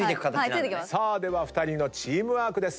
では２人のチームワークです。